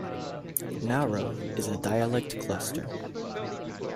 Naro is a dialect cluster.